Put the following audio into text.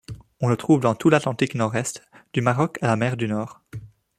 On le trouve dans tout l'Atlantique nord-est, du Maroc à la Mer du Nord.